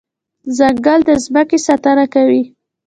ځنګل د ځمکې ساتنه کوي.